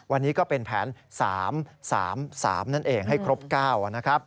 วันนี้ก็เป็นแผน๓๓นั่นเองให้ครบ๙นะครับ